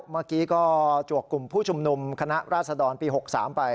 เมื่อกี้ก็จวกกลุ่มผู้ชุมนุมคณะราษฎรปี๖๓ไป